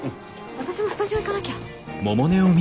私もスタジオ行かなきゃ。